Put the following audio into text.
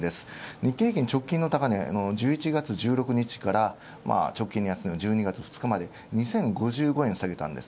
日経平均直近の高値１１月１６日か直近の安値、１２月２日まで、２０５５円下げたんです。